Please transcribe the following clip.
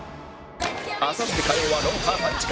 あさって火曜は『ロンハー』３時間